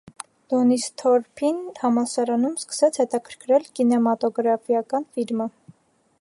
Դոնիսթորփին համալսարանում սկսեց հետաքրքրել կինեմատոգրաֆիական ֆիլմը։